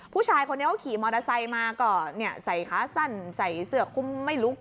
ผู้ชายคนนี้เขาขี่มอเตอร์ไซค์มาก็ใส่ขาสั้นใส่เสื้อคุ้มไม่ลุก